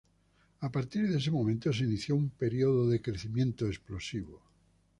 A partir de ese momento se inició un periodo de crecimiento explosivo.